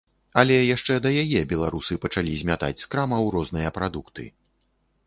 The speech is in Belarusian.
Але яшчэ да яе беларусы пачалі змятаць з крамаў розныя прадукты.